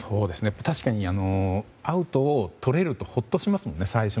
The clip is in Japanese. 確かにアウトをとれるとほっとしますよね